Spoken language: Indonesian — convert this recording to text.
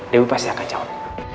dewi pasti akan jawab